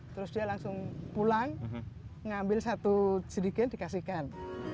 terus dia langsung pulang ngambil satu jedikin dikasihkan